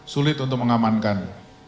sulit untuk mengamankan